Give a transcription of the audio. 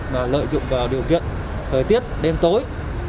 mà lợi dụng vào điều kiện thời tiết đêm tối